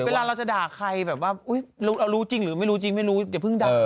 เวลาเราจะด่าใครแบบว่าเรารู้จริงหรือไม่รู้จริงไม่รู้อย่าเพิ่งด่า